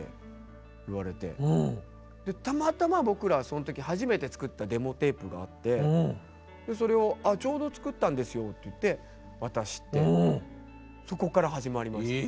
たまたま僕らその時初めて作ったデモテープがあってそれをちょうど作ったんですよって言って渡してそこから始まりました。